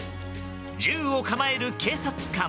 銃を構える警察官。